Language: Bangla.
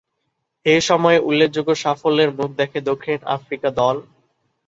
এ সময়ে উল্লেখযোগ্য সাফল্যের মুখ দেখে দক্ষিণ আফ্রিকা দল।